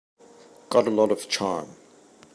Got a lot of charm.